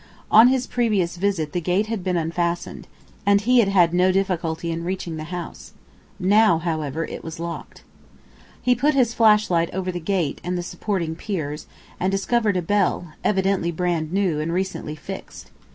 On his previous visit the gate had been unfastened, and he had had no difficulty in reaching the house. Now, however, it was locked. He put his flashlight over the gate and the supporting piers, and discovered a bell, evidently brand new, and recently fixed.